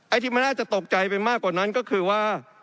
ที่มันน่าจะตกใจไปมากกว่านั้นก็คือว่า